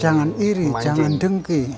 jangan iri jangan dengki